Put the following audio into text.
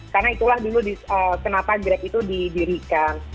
karena itulah dulu kenapa grab itu didirikan